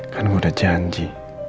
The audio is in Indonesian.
kan gue udah janji